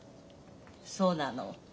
そうなの。